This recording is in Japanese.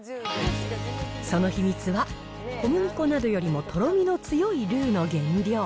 その秘密は、小麦粉などよりもとろみの強い原料。